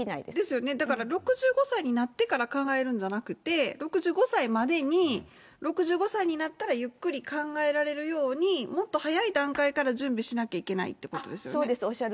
ですよね、６５歳になったら考えるんじゃなくて、６５歳までに、６５歳になったらゆっくり考えられるように、もっと早い段階から準備しなきゃいけないってことですよね？